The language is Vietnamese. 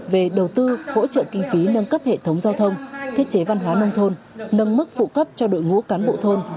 về đầu tư hỗ trợ kinh phí nâng cấp hệ thống giao thông thiết chế văn hóa nông thôn nâng mức phụ cấp cho đội ngũ cán bộ thôn